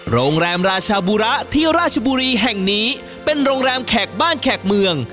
โรงแรมราชาบุระที่ราชบุรีแห่งนี้เป็นโรงแรมแขกบ้านแขกเมือง